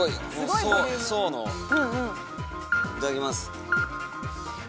いただきます。